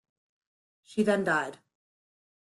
She then died.